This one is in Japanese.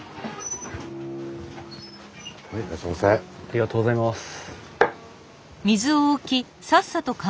ありがとうございます。